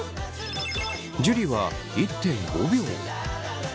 樹は１．５秒。